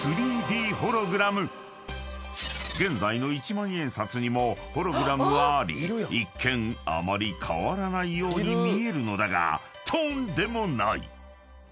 ［現在の一万円札にもホログラムはあり一見あまり変わらないように見えるのだがとんでもない！］